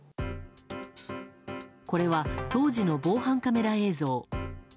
これは、当時の防犯カメラ映像。